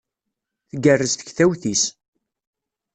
Tgerrez tektawt-is.